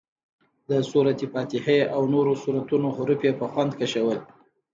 د سورت فاتحې او نورو سورتونو حروف یې په خوند کشول.